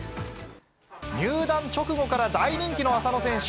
入団直後から大人気の浅野選手。